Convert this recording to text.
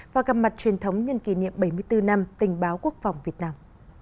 và gặp mặt truyền thống nhân kỷ niệm bảy mươi bốn năm tình báo quốc phòng việt nam